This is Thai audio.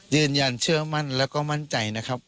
ยืนยันเชื่อมั่นแล้วก็มั่นใจนะครับ